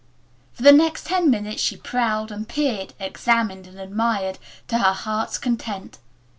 For the next ten minutes she prowled and peered, examined and admired, to her heart's content.